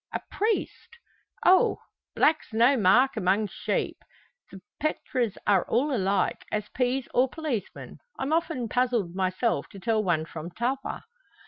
"A priest!" "Oh! black's no mark among sheep. The pretres are all alike, as peas or policemen. I'm often puzzled myself to tell one from t'other."